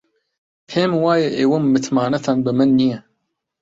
پێم وایە ئێوە متمانەتان بە من نییە.